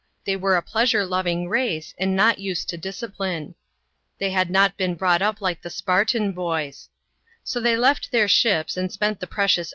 They were a pleasure loving race and not used to discipline. They had not been brought up HkQ the Spartan boys. 1 m So they left their ships and spent the precious